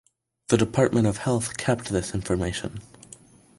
The Department of Health kept this information.